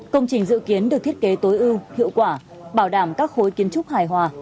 công trình dự kiến được thiết kế tối ưu hiệu quả bảo đảm các khối kiến trúc hài hòa